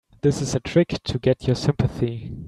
This is a trick to get your sympathy.